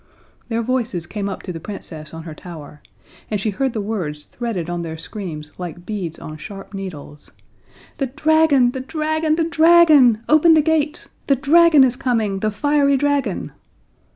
Their voices came up to the Princess on her tower, and she heard the words threaded on their screams like beads on sharp needles: "The dragon, the dragon, the dragon! Open the gates! The dragon is coming! The fiery dragon!"